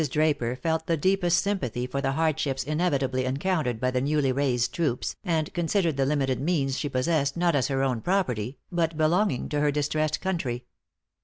Draper felt the deepest sympathy for the hardships inevitably encountered by the newly raised troops, and considered the limited means she possessed not as her own property, but belonging to her distressed country.